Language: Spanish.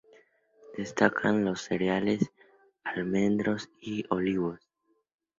Destacan los cereales, almendros y olivos.